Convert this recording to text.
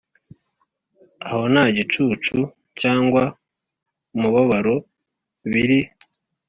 aho nta gicucu cyangwa umubabaro biri;